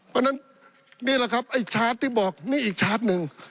เพราะฉะนั้นนี่แหละครับไอ้ชาร์จที่บอกนี่อีกชาร์จหนึ่ง